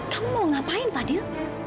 kamu mau ngapain fadil